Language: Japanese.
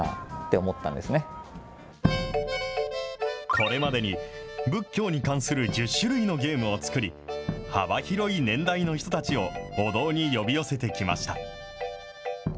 これまでに、仏教に関する１０種類のゲームを作り、幅広い年代の人たちをお堂に呼び寄せてきました。